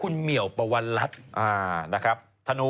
เดี๋ยวลอดูก่อน